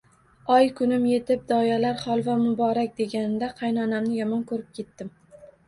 Oy kunim etib, doyalar Holva muborak deganida qaynonamni yomon ko`rib ketdim